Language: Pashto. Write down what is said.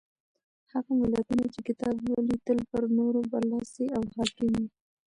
هغه ملتونه چې کتاب لولي تل پر نورو برلاسي او حاکم وي.